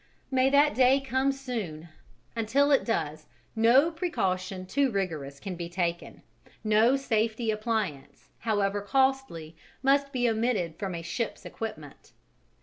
May that day come soon. Until it does, no precaution too rigorous can be taken, no safety appliance, however costly, must be omitted from a ship's equipment.